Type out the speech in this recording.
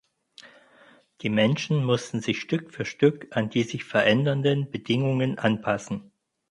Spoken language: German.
Die Menschen mussten sich Stück für Stück an die sich verändernden Bedingungen anpassen.